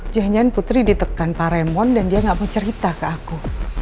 jangan jangan putri ditekan paremon dan dia gak mau cerita ke aku